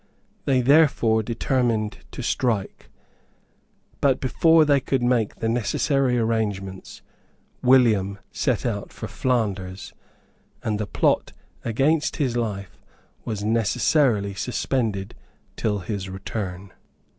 They therefore determined to strike; but before they could make the necessary arrangements William set out for Flanders; and the plot against his life was necessarily suspended till his return.